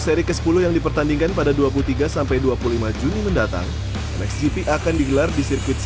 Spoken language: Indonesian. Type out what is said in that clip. seri ke sepuluh yang dipertandingkan pada dua puluh tiga sampai dua puluh lima juni mendatang mxgp akan digelar di sirkuit